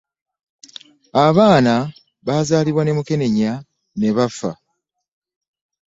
Abaana bazaalibwa ne mukenenya n'ebafa.